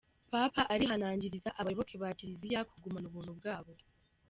Papa arihanangiriza abayoboke ba kiriziya kugumana Ubuntu bwabo